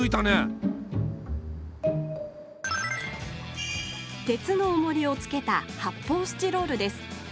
鉄のおもりをつけたはっぽうスチロールです